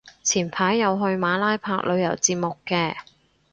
前排有去馬拉拍旅遊節目嘅